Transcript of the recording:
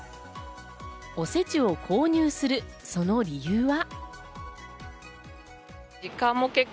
おせちを購入するその理由は？